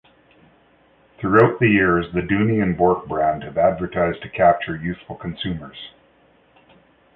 Throughout the years, the Dooney and Bourke brand have advertised to capture youthful consumers.